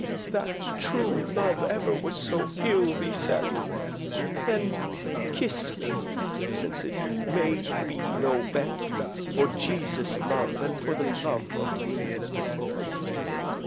That true love ever was so ill beset: Then kiss me, since that it may be no bet*, *better For Jesus' love, and for the love of me."